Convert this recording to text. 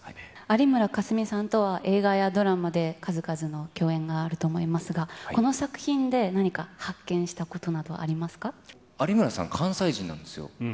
有村架純さんとは、映画やドラマで数々の共演があると思いますが、この作品で何か、発見した有村さん、関西人なんですよ。